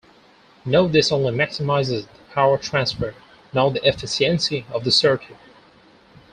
Note this only maximizes the power transfer, not the efficiency of the circuit.